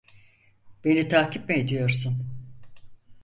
Beni takip mi ediyorsun?